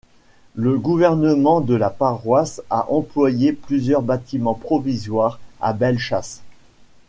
Le gouvernement de la paroisse a employé plusieurs bâtiments provisoires à Belle Chasse.